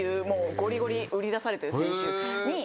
ゴリゴリ売り出されてる選手に。